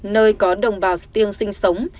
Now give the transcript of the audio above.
nơi có đồng bào sơ tiêng sinh sống